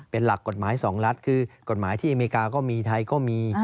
เป็นหลักกฎหมาย๒รัฐคือกฎหมายที่อเมริกาก็มีไทยก็มี